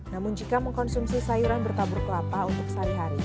namun jika mengkonsumsi sayuran bertabur kelapa untuk sehari hari